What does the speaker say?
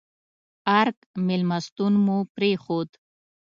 ارګ مېلمستون مو پرېښود.